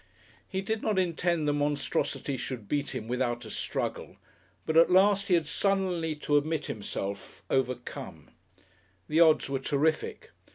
He did not intend the monstrosity should beat him without a struggle, but at last he had sullenly to admit himself overcome. The odds were terrific.